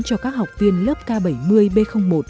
cho các học viên lớp k bảy mươi b một